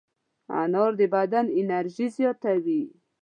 انار د بدن انرژي زیاتوي.